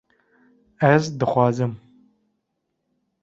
Ez dixwazim